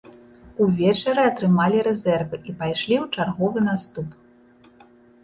Увечары атрымалі рэзервы і пайшлі ў чарговы наступ.